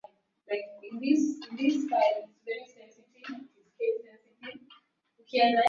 Vijusi vyenye maambukizi hukaa kwenye nyasi maji na vyakula vingine